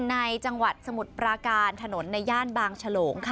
ในจังหวัดสมุทรปราการถนนในย่านบางฉลง